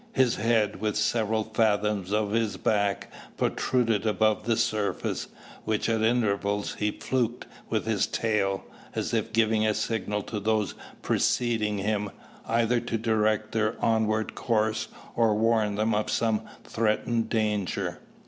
His head, with several fathoms of his back, protruded above the surface, which at intervals he "fluked" with his tail, as if giving a signal to those preceding him, either to direct their onward course, or warn them of some threatened danger.